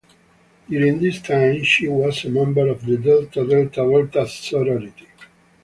During this time she was a member of Delta Delta Delta sorority.